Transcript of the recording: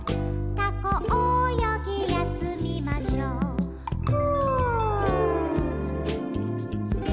「タコおよぎやすみましょうフ」